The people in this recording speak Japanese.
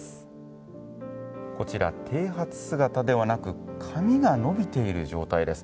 こちら、てい髪姿ではなく髪が伸びている状態です。